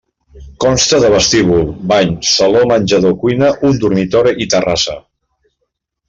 Consta de vestíbul, bany, saló-menjador-cuina, un dormitori i terrassa.